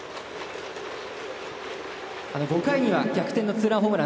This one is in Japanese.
５回には逆転のツーランホームラン。